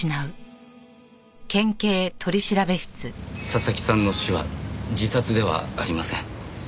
佐々木さんの死は自殺ではありません。